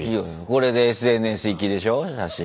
これでＳＮＳ行きでしょ写真。